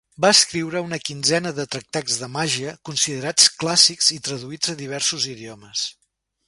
Va escriure una quinzena de tractats de màgia, considerats clàssics i traduïts a diversos idiomes.